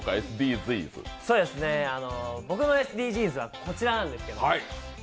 僕のＳＤＧｓはこちらなんです。